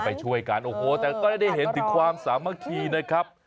ไปช่วยกันโอ้โหแต่ก็ได้เห็นถึงความสามัคคีนะครับ